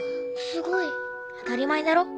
当たり前だろ。